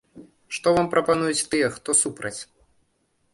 Што вам прапануюць тыя, хто супраць?